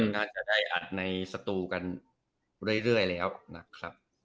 น่าจะได้อัดในสตูกันเรื่อยแล้วนะครับ